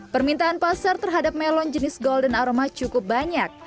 permintaan pasar terhadap melon jenis golden aroma cukup banyak